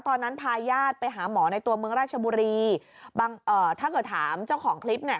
พาญาติไปหาหมอในตัวเมืองราชบุรีบางเอ่อถ้าเกิดถามเจ้าของคลิปเนี่ย